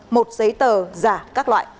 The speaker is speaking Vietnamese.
một giấy tờ giả